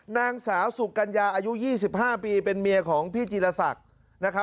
นางสาวสุกัญญาอายุ๒๕ปีเป็นเมียของพี่จีรศักดิ์นะครับ